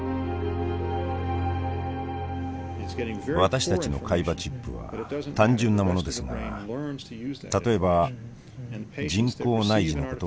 私たちの海馬チップは単純なものですが例えば人工内耳のことを思い出してください。